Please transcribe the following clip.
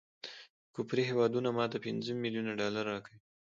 کفري هیواد ماته پنځه ملیونه ډالره راکول.